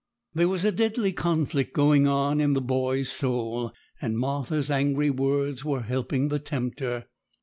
There was a deadly conflict going on in the boy's soul; and Martha's angry words were helping the tempter.